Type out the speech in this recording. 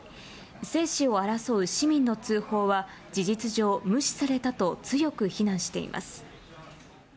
生死を争う市民の通報は、事実上無視されたと強く非難しています。